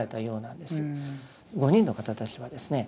５人の方たちはですね